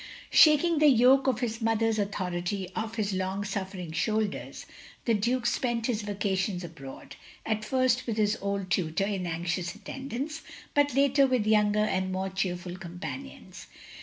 Shaking the yoke of his mother's authority oflf his long stiffering shoulders, the Duke spent his vacations abroad; at first with his old tutor in anxious attendance; but later, with younger and more cheerful companions.